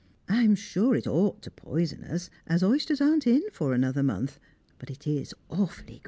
I am sure it ought to poison us, as oysters aren't in for another month, but it is awfully good.